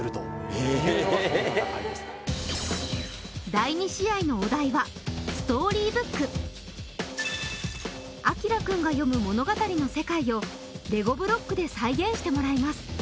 第２試合のお題はアキラくんが読む物語の世界をレゴブロックで再現してもらいます